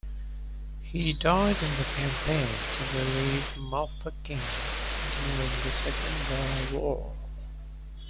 He died in the campaign to relieve Mafeking during the Second Boer War.